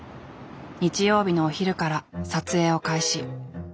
日曜日のお昼から撮影を開始。